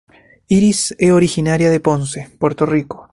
Iris es originaria de Ponce, Puerto Rico.